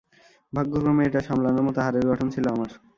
ভাগ্যক্রমে, এটা সামলানোর মতো হাড়ের গঠন ছিল আমার।